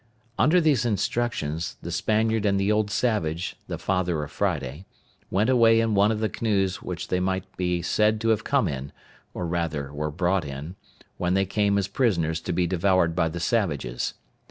Under these instructions, the Spaniard and the old savage, the father of Friday, went away in one of the canoes which they might be said to have come in, or rather were brought in, when they came as prisoners to be devoured by the savages.